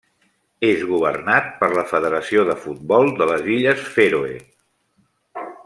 És governat per la Federació de Futbol de les Illes Fèroe.